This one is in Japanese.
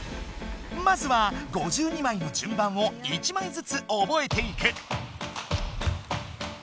まずは５２枚の順番を１枚ずつ覚えていく。